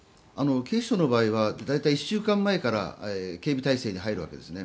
警視庁の場合は大体１週間前から警備体制に入るわけです。